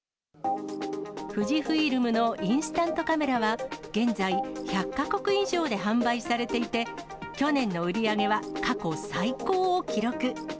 富士フイルムのインスタントカメラは、現在１００か国以上で販売されていて、去年の売り上げは過去最高を記録。